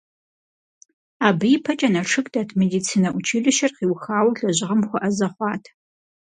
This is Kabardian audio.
Абы ипэкӀэ Налшык дэт медицинэ училищэр къиухауэ лэжьыгъэм хуэӀэзэ хъуат.